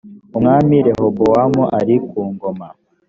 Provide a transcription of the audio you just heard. umwami rehobowamu ari ku ngoma